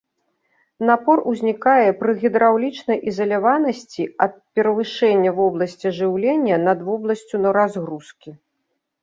Напор узнікае пры гідраўлічнай ізаляванасці ад перавышэння вобласці жыўлення над вобласцю разгрузкі.